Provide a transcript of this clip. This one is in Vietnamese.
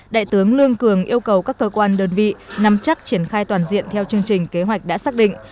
đại tướng lương cường yêu cầu các cơ quan đơn vị nằm chắc triển khai toàn diện theo chương trình kế hoạch đã xác định